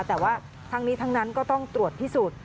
แต่ว่าทั้งนี้ทั้งนั้นก็ต้องตรวจพิสูจน์